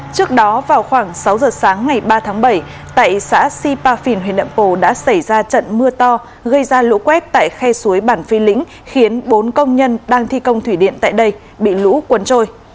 trước đó vào khoảng sáu h sáng ngày ba tháng bảy tại xã sipafin huỳnh đậm pồ đã xảy ra trận mưa to gây ra lũ quét tại khe suối bản phi lĩnh khiến bốn công nhân đang thi công thủy điện tại đây bị lũ quấn trôi